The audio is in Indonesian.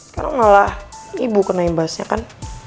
kadang ngealah ibu kena ibasnya kan